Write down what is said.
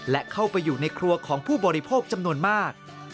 และเข้าไปอยู่ในครัวของผู้บริโภคจำนวนมาก